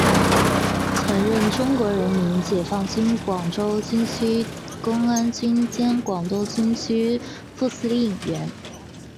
曾任中国人民解放军广州军区公安军兼广东军区副司令员。